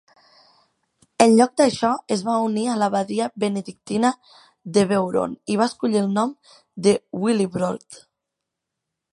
En lloc d'això, es va unir a l'abadia benedictina de Beuron i va escollir el nom de Willibrord.